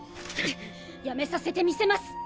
やめさせてみせます！